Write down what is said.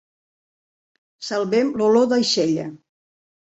Salvem l'olor d'aixella